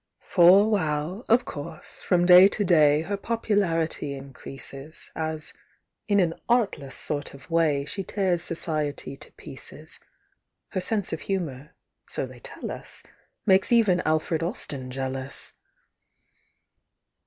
For while, of course, from day to day, Her popularity increases, As, in an artless sort of way, She tears Society to pieces, Her sense of humor, so they tell us, Makes even Alfred Austin jealous!